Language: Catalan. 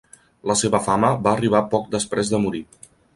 La seva fama va arribar poc després de morir.